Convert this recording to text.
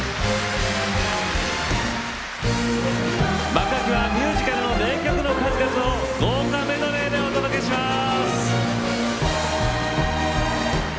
幕開きはミュージカルの名曲の数々を豪華メドレーでお届けします。